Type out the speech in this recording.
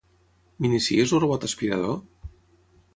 M'inicies el robot aspirador?